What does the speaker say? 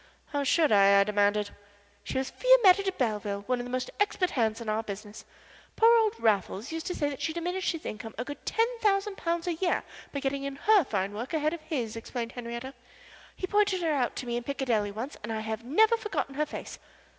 "How should I?" I demanded. "She was Fiametta de Belleville, one of the most expert hands in our business. Poor old Raffles used to say that she diminished his income a good ten thousand pounds a year by getting in her fine work ahead of his," explained Henriette. "He pointed her out to me in Piccadilly once and I have never forgotten her face."